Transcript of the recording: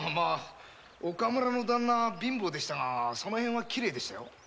岡村のだんなは貧乏でしたがその辺はきれいでしたよ。